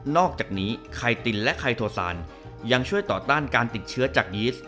อกจากนี้ไคตินและไคโทซานยังช่วยต่อต้านการติดเชื้อจากยีสต